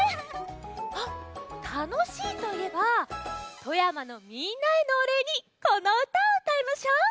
あったのしいといえば富山のみんなへのおれいにこのうたをうたいましょう！